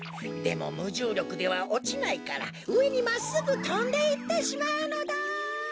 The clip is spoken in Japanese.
でもむじゅうりょくではおちないからうえにまっすぐとんでいってしまうのだ。